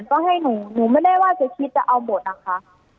ก็ให้หนูหนูไม่ได้ว่าจะคิดจะเอาหมดนะคะ